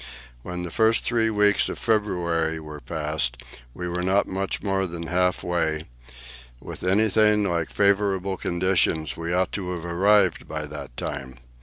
When the first three weeks of February were past, we were not much more than half way; with anything like favourable conditions we ought to have arrived by that time.